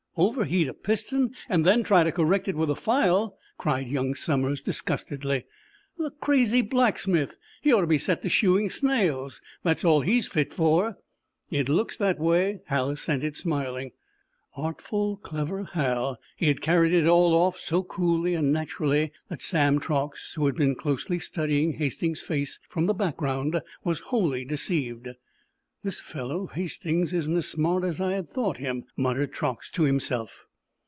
Overheat a piston, and then try to correct it with a file?" cried young Somers, disgustedly. "The crazy blacksmith! He ought to be set to shoeing snails—that's all he's fit for." "It looks that way," Hal assented, smiling. Artful, clever Hal! He had carried it all off so coolly and naturally that Sam Truax, who had been closely studying Hastings's face from the background, was wholly deceived. "This fellow, Hastings, isn't as smart as I had thought him," muttered Truax, to himself.